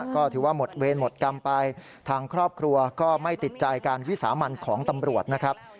ก็ถือว่าหมดเวรหมดกรรมไปทางครอบครัวก็ไม่ติดใจการวิสามันของตำรวจนะครับ